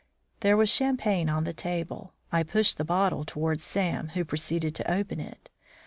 There was champagne on the table; I pushed the bottle towards Sam, who proceeded to open it.